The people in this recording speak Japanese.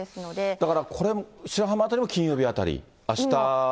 だからこれ、白浜辺りも金曜日あたり、あした。